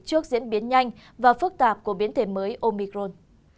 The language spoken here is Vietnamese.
trước diễn biến nhanh và phức tạp của biến thể mới omicron